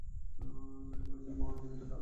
বাক বলেছিল ভ্রমণের জন্য এটা খারাপ সময়।